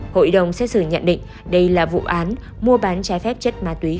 hội đồng xét xử nhận định đây là vụ án mua bán trái phép chất ma túy